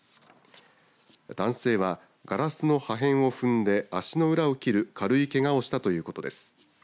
男性はガラスの破片を踏んで足の裏を切る軽いけがをしたということです。